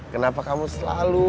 kenapa kamu selalu